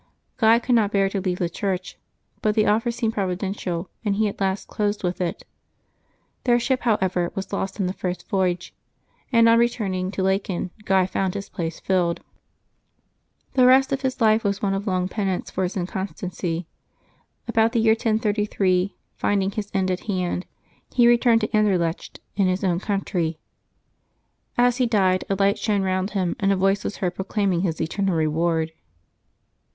Guy could not bear to leave the church; but the offer seemed providential, and he at last closed with it. Their ship, liowever, was lost on the first voyage, and on returning to Laeken Guy found his place filled. The rest of his life was one long penance for his inconstancy. About the year 1033, finding his end at hand, he returned to Ander Septbmbeb 13] LIVES OF TEE SAINTS 313 lecht, in his own country. As he died, a light shone round him, and a voice was heard proclaiming his eternal reward.